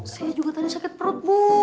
saya juga tadi sakit perut ibu